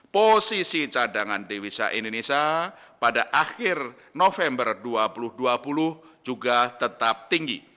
posisi cadangan devisa indonesia pada akhir november dua ribu dua puluh juga tetap tinggi